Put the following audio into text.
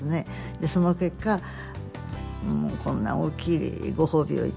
でその結果こんな大きいご褒美を頂いて。